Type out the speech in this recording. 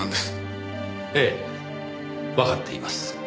ええわかっています。